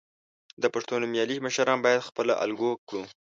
د پښتو نومیالي مشران باید خپله الګو کړو.